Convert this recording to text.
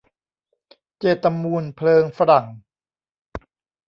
เจตมูลเพลิงฝรั่ง